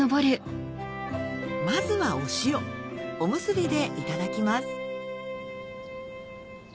まずはお塩おむすびでいただきます